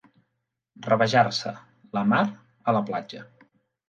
Rabejar-se, la mar, a la platja.